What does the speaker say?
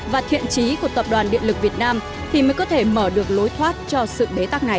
và thiện trí của tập đoàn điện lực việt nam thì mới có thể mở được lối thoát cho sự bế tắc này